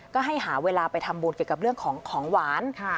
ก็ให้หาเวลาไปทำบุญเกี่ยวกับเรื่องของของหวาน